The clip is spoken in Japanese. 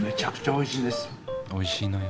おいしいのよ。